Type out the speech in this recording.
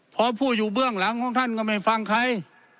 พอผู้อยู่เบื้องหลังของท่านก็ไม่ฟังใคร